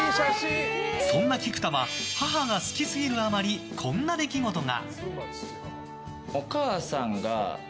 そんな菊田は母が好きすぎるあまりこんな出来事が。